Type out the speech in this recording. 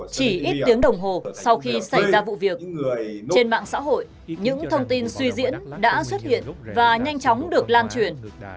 chỉ ít tiếng đồng hồ sau khi xảy ra vụ việc trên mạng xã hội những thông tin suy diễn đã xuất hiện và nhanh chóng được lan truyền